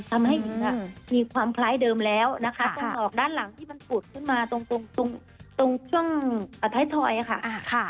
ทำให้หญิงมีความคล้ายเดิมแล้วนะคะตรงออกด้านหลังที่มันผุดขึ้นมาตรงตรงช่วงท้ายทอยค่ะ